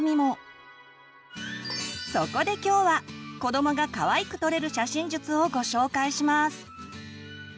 そこで今日は子どもがかわいく撮れる写真術をご紹介します！